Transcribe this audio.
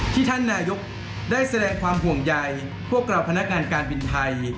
ท่านนายกได้แสดงความห่วงใยพวกเราพนักงานการบินไทย